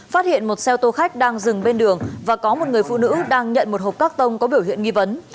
phát hiện một xe ô tô khách đang dừng bên đường và có một người phụ nữ đang nhận một hộp cắt tông có biểu hiện nghi vấn